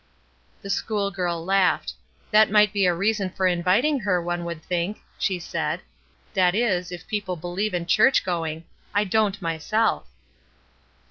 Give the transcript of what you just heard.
The schoolgirl laughed. "That might be a reason for inviting her, one would think," she said. "That is, if people believe in church going; I don't, myself."